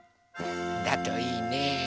だといいね。